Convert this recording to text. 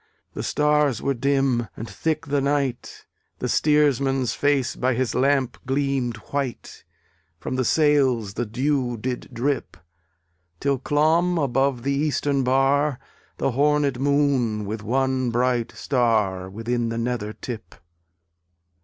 The stars were dim, and thick the night, The steersman's face by his lamp gleamed white; From the sails the dew did drip Till clomb above the eastern bar The hornéd Moon, with one bright star Within the nether tip.